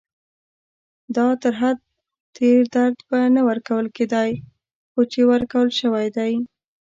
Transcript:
دا تر حد تېر درد به نه ورکول کېدای، خو چې ورکول شوی دی.